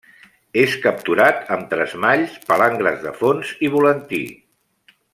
És capturat amb tresmalls, palangres de fons i volantí.